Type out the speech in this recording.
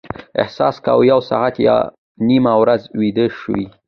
احساس کاوه یو ساعت یا نیمه ورځ ویده شوي.